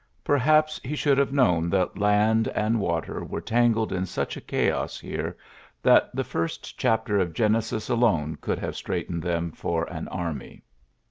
Perhaps he ULYSSES S. GEANT 73 should liave known that land and water were tangled in such a chaos here that the first chapter of Genesis alone could have straightened them for an army.